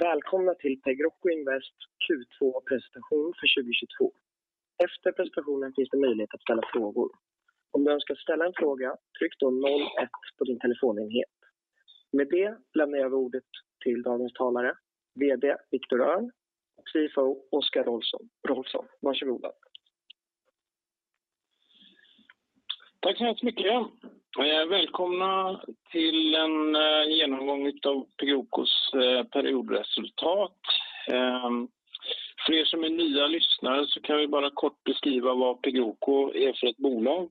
Välkomna till Navigo Invest's Q2-presentation för 2022. Efter presentationen finns det möjlighet att ställa frågor. Om du önskar ställa en fråga, tryck då 01 på din telefonenhet. Med det lämnar jag över ordet till dagens talare, VD Victor Örn och CFO Oscar Rolfsson. Varsågoda. Tack så hemskt mycket. Välkomna till en genomgång av Pegrocos periodresultat. För er som är nya lyssnare så kan vi bara kort beskriva vad Pegroco är för ett bolag.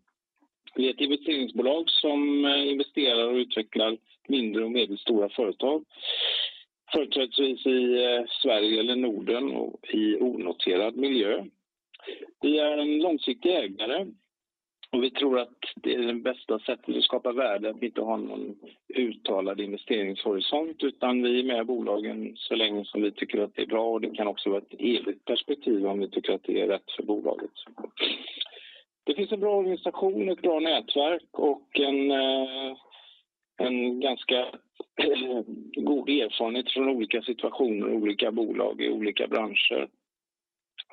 Vi är ett investeringsbolag som investerar och utvecklar mindre och medelstora företag, företrädesvis i Sverige eller Norden och i onoterad miljö. Vi är en långsiktig ägare och vi tror att det är det bästa sättet att skapa värde, att inte ha någon uttalad investeringshorisont, utan vi är med bolagen så länge som vi tycker att det är bra. Det kan också vara ett evigt perspektiv om vi tycker att det är rätt för bolaget. Det finns en bra organisation, ett bra nätverk och en ganska god erfarenhet från olika situationer, olika bolag i olika branscher.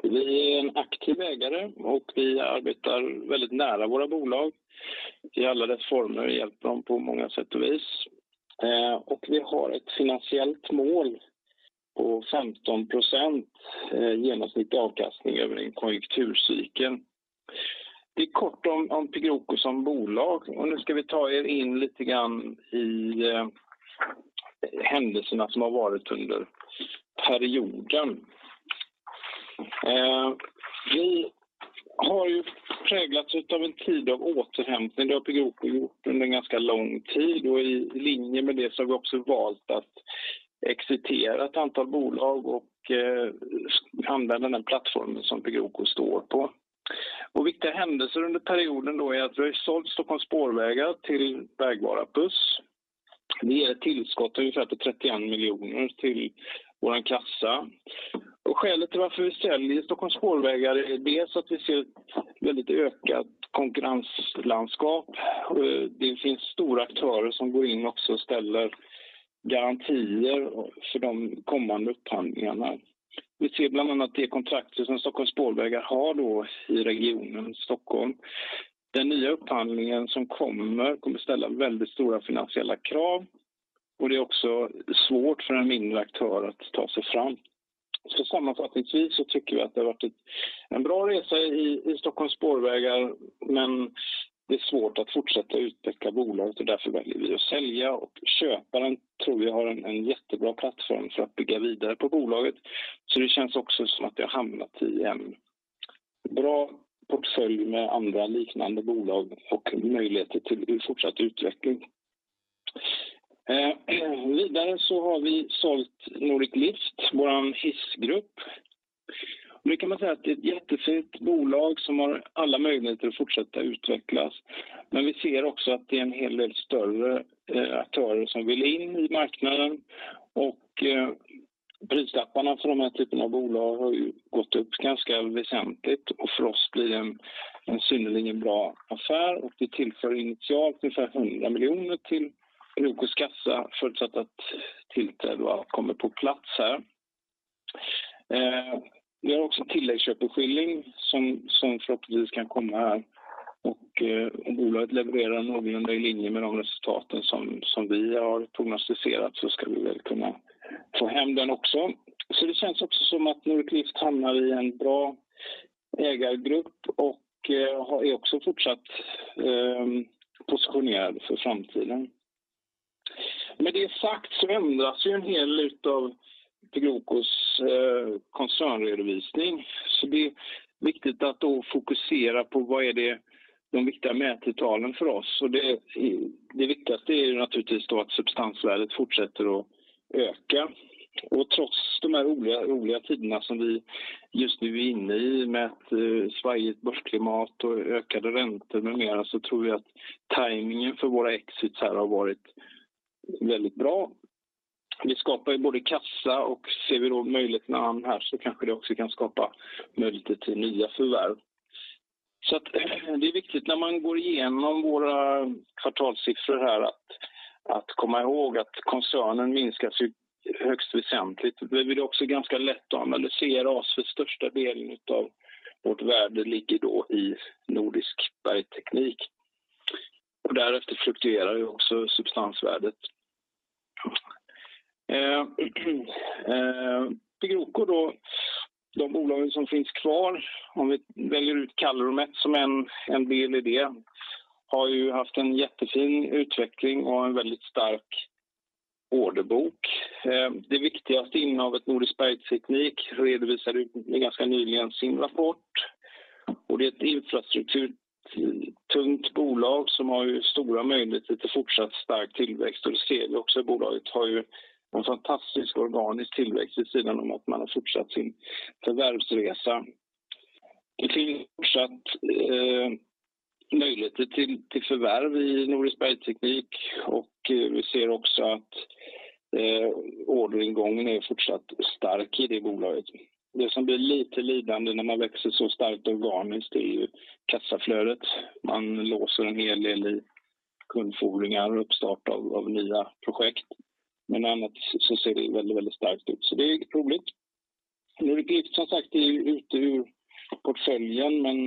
Vi är en aktiv ägare och vi arbetar väldigt nära våra bolag i alla dess former och hjälper dem på många sätt och vis. Vi har ett finansiellt mål på 15% genomsnittlig avkastning över en konjunkturcykel. Det är kort om Pegroco som bolag. Nu ska vi ta er in lite grann i händelserna som har varit under perioden. Vi har ju präglats av en tid av återhämtning. Det har Pegroco gjort under en ganska lång tid. I linje med det så har vi också valt att exitera ett antal bolag och använda den plattformen som Pegroco står på. Viktiga händelser under perioden då är att vi har sålt Stockholms Spårvägar till Vägvara Buss. Det ger ett tillskott på ungefär 31 miljoner till vår kassa. Skälet till varför vi säljer Stockholms Spårvägar är dels att vi ser ett väldigt ökat konkurrenslandskap. Det finns stora aktörer som går in och ställer garantier för de kommande upphandlingarna. Vi ser bland annat de kontrakt som Stockholms Spårvägar har då i regionen Stockholm. Den nya upphandlingen som kommer ställa väldigt stora finansiella krav och det är också svårt för en mindre aktör att ta sig fram. Sammanfattningsvis så tycker vi att det har varit en bra resa i Stockholms Spårvägar, men det är svårt att fortsätta utveckla bolaget och därför väljer vi att sälja. Köparen tror vi har en jättebra plattform för att bygga vidare på bolaget. Det känns också som att det har hamnat i en bra portfölj med andra liknande bolag och möjligheter till fortsatt utveckling. Vidare så har vi sålt Nordic Lift, vår hissgrupp. Det kan man säga att det är ett jättefint bolag som har alla möjligheter att fortsätta utvecklas. Vi ser också att det är en hel del större aktörer som vill in i marknaden och prislapparna för de här typen av bolag har ju gått upp ganska väsentligt och för oss blir det en synnerligen bra affär. Det tillför initialt ungefär 100 miljoner till Pegrocos kassa förutsatt att tillträde kommer på plats här. Vi har också en tilläggsköpeskilling som förhoppningsvis kan komma här. Om bolaget levererar någorlunda i linje med de resultaten som vi har prognosticerat så ska vi väl kunna få hem den också. Det känns också som att Nordic Lift hamnar i en bra ägargrupp och är också fortsatt positionerad för framtiden. Med det sagt ändras ju en hel del av Pegrocos koncernredovisning. Det är viktigt att då fokusera på vad är de viktiga mätetalen för oss. Det viktigaste är ju naturligtvis då att substansvärdet fortsätter att öka. Trots de här oroliga tiderna som vi just nu är inne i med ett svajigt börsklimat och ökade räntor med mera så tror vi att tajmingen för våra exits här har varit väldigt bra. Vi skapar ju både kassa och ser vi då möjligheterna här så kanske det också kan skapa möjligheter till nya förvärv. Det är viktigt när man går igenom våra kvartalssiffror här att komma ihåg att koncernen minskas ju högst väsentligt. Det blir också ganska lätt att analysera oss för största delen av vårt värde ligger då i Nordisk Bergteknik. Därefter fluktuerar ju också substansvärdet. Pegroco då, de bolagen som finns kvar, om vi väljer ut CalorMet som en del i det, har ju haft en jättefin utveckling och en väldigt stark orderbok. Det viktigaste innehavet, Nordisk Bergteknik, redovisade ganska nyligen sin rapport. Det är ett infrastrukturtungt bolag som har ju stora möjligheter till fortsatt stark tillväxt. Det ser vi också. Bolaget har ju en fantastisk organisk tillväxt vid sidan om att man har fortsatt sin förvärvsresa. Vi ser fortsatt möjligheter till förvärv i Nordisk Bergteknik och vi ser också att orderingången är fortsatt stark i det bolaget. Det som blir lite lidande när man växer så starkt organiskt, det är ju kassaflödet. Man låser en hel del i kundfordringar och uppstart av nya projekt. Men annars så ser det väldigt starkt ut. Så det är inget roligt. Nu är det som sagt ju ute ur portföljen, men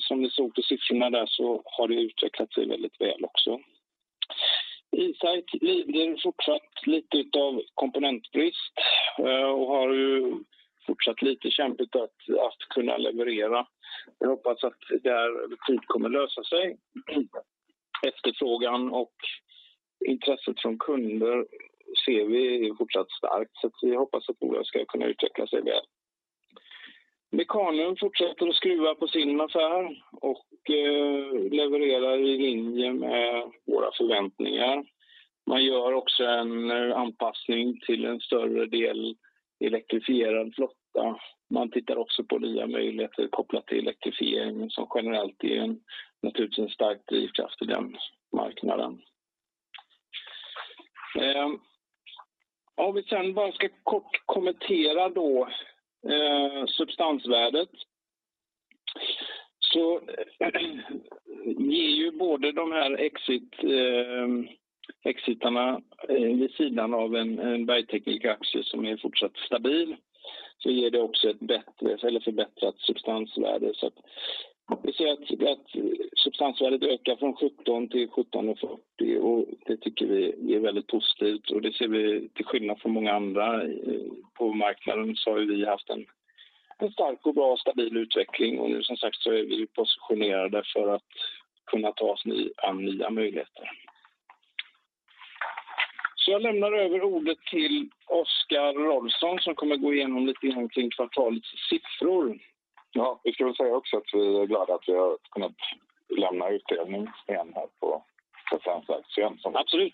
som ni såg på siffrorna där så har det utvecklat sig väldigt väl också. InSite lider fortsatt lite utav komponentbrist och har ju fortsatt lite kämpigt att kunna leverera. Jag hoppas att det här fort kommer lösa sig. Efterfrågan och intresset från kunder ser vi är fortsatt starkt. Vi hoppas att det ska kunna utveckla sig väl. Mechanum fortsätter att skruva på sin affär och levererar i linje med våra förväntningar. Man gör också en anpassning till en större del elektrifierad flotta. Man tittar också på nya möjligheter kopplat till elektrifieringen som generellt är naturligtvis en stark drivkraft i den marknaden. Om vi sen bara ska kort kommentera substansvärdet. Ger ju både de här exit, exitarna vid sidan av en Nordisk Bergteknik-aktie som är fortsatt stabil. Ger det också ett bättre eller förbättrat substansvärde. Att vi ser att substansvärdet ökar från 17 SEK till 17.40 SEK och det tycker vi är väldigt positivt och det ser vi till skillnad från många andra på marknaden så har vi haft en stark och bra stabil utveckling. Nu som sagt så är vi positionerade för att kunna ta oss an nya möjligheter. Jag lämnar över ordet till Oscar Rolfsson som kommer gå igenom lite grann kring kvartalets siffror. Ja, vi ska väl säga också att vi är glada att vi har kunnat lämna utdelning igen här på förra aktien. Absolut.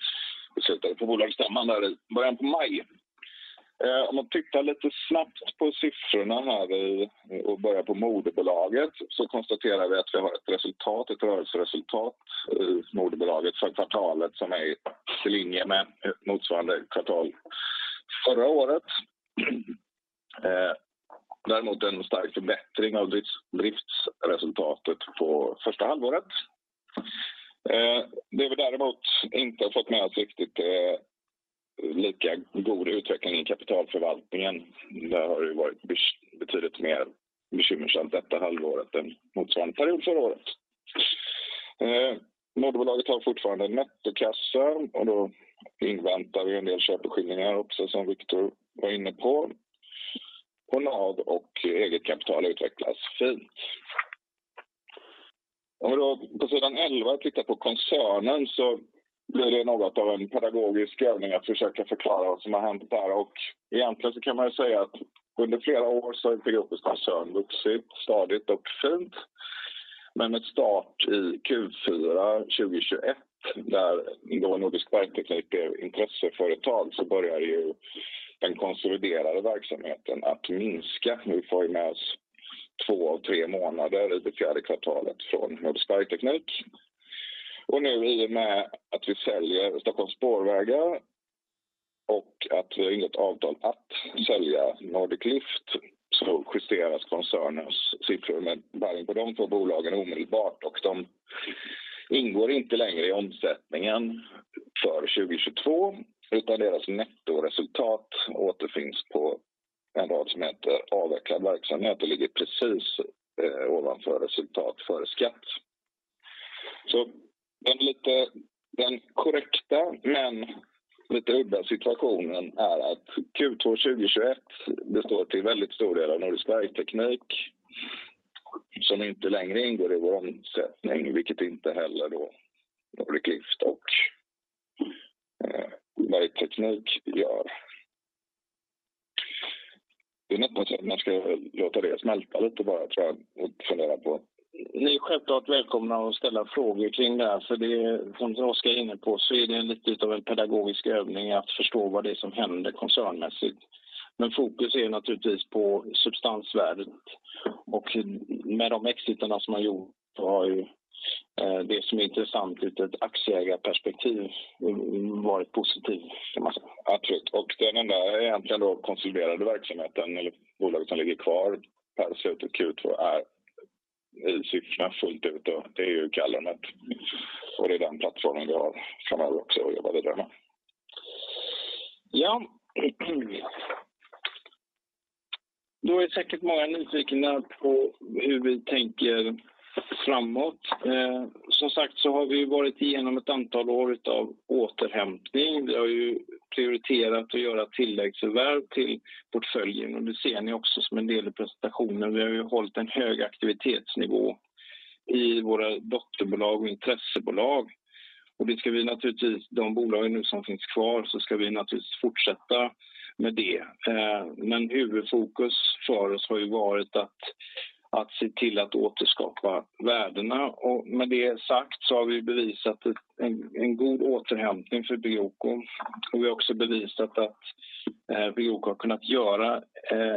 Vi sitter på bolagsstämman där i början på maj. Om man tittar lite snabbt på siffrorna här och börjar på moderbolaget så konstaterar vi att vi har ett resultat, ett rörelseresultat i moderbolaget för kvartalet som är i linje med motsvarande kvartal förra året. Däremot en stark förbättring av driftsresultatet på första halvåret. Det vi däremot inte har fått med oss riktigt är lika god utveckling i kapitalförvaltningen. Det har ju varit betydligt mer bekymmersamt detta halvåret än motsvarande period förra året. Moderbolaget har fortfarande nettokassa och då inväntar vi en del köpeskylningar också som Victor var inne på. NAV och eget kapital har utvecklats fint. Om vi då på sidan 11 tittar på koncernen så blir det något av en pedagogisk övning att försöka förklara vad som har hänt där. Egentligen så kan man ju säga att under flera år så har Navigo-koncernen vuxit stadigt och fint. Med start i Q4 2021, där då Nordisk Bergteknik är intresseföretag, så börjar ju den konsoliderade verksamheten att minska. Nu får vi med oss 2 av 3 månader i det fjärde kvartalet från Nordisk Bergteknik. Nu i och med att vi säljer Stockholms Spårvägar och att vi har inget avtal att sälja Nordic Lift så justeras koncernens siffror med värdena på de två bolagen omedelbart. De ingår inte längre i omsättningen för 2022, utan deras nettoresultat återfinns på en rad som heter avvecklad verksamhet och ligger precis ovanför resultat före skatt. Den lite korrekta men lite udda situationen är att Q2 2021 består till väldigt stor del av Nordisk Bergteknik som inte längre ingår i vår omsättning, vilket inte heller då Nordic Lift och Bergteknik gör. Det är nog på så att man ska låta det smälta lite bara tror jag och fundera på. Ni är självklart välkomna att ställa frågor kring det här. För det, som Oscar är inne på, så är det lite utav en pedagogisk övning att förstå vad det är som händer koncernmässigt. Fokus är naturligtvis på substansvärdet och med de exitarna som man har gjort så har ju det som är intressant ur ett aktieägarperspektiv varit positiv kan man säga. Absolut, den enda egentligen då konsoliderade verksamheten eller bolagen som ligger kvar per slutet av Q2 är i siffrorna fullt ut, och det är ju CalorMet och det är den plattformen vi har framöver också att jobba vidare med. Ja. Då är säkert många nyfikna på hur vi tänker framåt. Som sagt, så har vi varit igenom ett antal år utav återhämtning. Vi har ju prioriterat att göra tilläggsförvärv till portföljen och det ser ni också som en del i presentationen. Vi har ju hållit en hög aktivitetsnivå i våra dotterbolag och intressebolag. Det ska vi naturligtvis, de bolagen nu som finns kvar, så ska vi naturligtvis fortsätta med det. Huvudfokus för oss har ju varit att se till att återskapa värdena. Med det sagt så har vi bevisat en god återhämtning för Navigo. Vi har också bevisat att Navigo har kunnat göra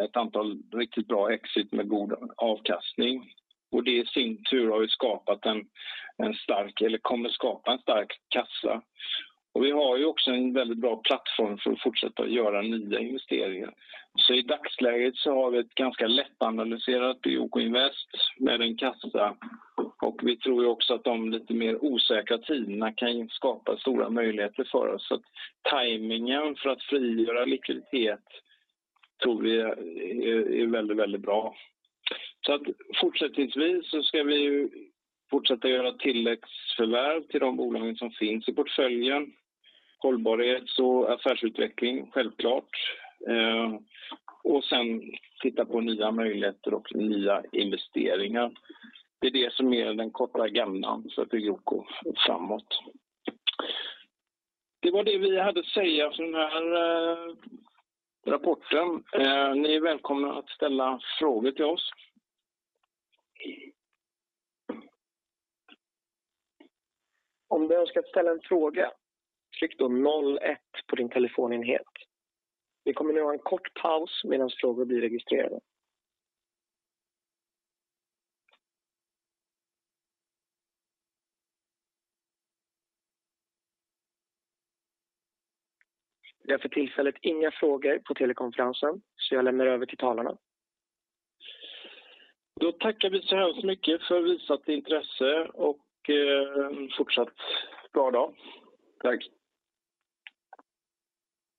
ett antal riktigt bra exit med god avkastning. Det i sin tur har ju skapat en stark eller kommer skapa en stark kassa. Vi har ju också en väldigt bra plattform för att fortsätta göra nya investeringar. I dagsläget så har vi ett ganska lättanalyserat Navigo Invest med en kassa och vi tror ju också att de lite mer osäkra tiderna kan skapa stora möjligheter för oss. Tajmingen för att frigöra likviditet tror vi är väldigt bra. Fortsättningsvis så ska vi fortsätta göra tilläggsförvärv till de bolagen som finns i portföljen, hållbarhets- och affärsutveckling självklart, sen titta på nya möjligheter och nya investeringar. Det är det som är den korta agendan för Navigo framåt. Det var det vi hade att säga för den här rapporten. Ni är välkomna att ställa frågor till oss. Om du önskar att ställa en fråga, tryck då noll ett på din telefonenhet. Vi kommer nu ha en kort paus medan frågor blir registrerade. Vi har för tillfället inga frågor på telekonferensen så jag lämnar över till talarna. Tackar vi så här mycket för visat intresse och fortsatt bra dag. Tack.